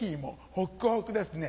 ホックホクですね